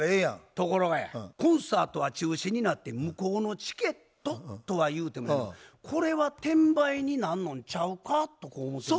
ところがやコンサートは中止になって無効のチケットとはゆうてもやなこれは転売になんのんちゃうかとこう思うとん